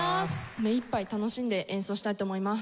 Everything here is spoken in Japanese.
目いっぱい楽しんで演奏したいと思います。